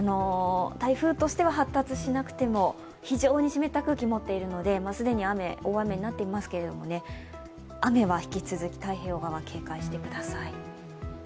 台風としては発達しなくても、非常に湿った空気持っていますので既に雨、大雨になっていますけれども、雨は引き続き太平洋側、警戒してください。